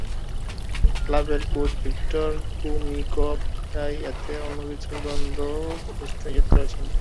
ক্লাবের coach Victor Kumikov তাই এতে অন্য কিছুর গন্ধ খুঁজতে নিষেধও করেছেন।